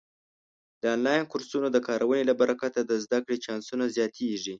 د آنلاین کورسونو د کارونې له برکته د زده کړې چانسونه زیاتېږي.